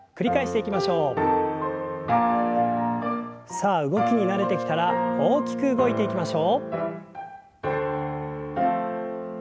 さあ動きに慣れてきたら大きく動いていきましょう。